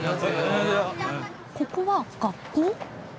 ここは学校？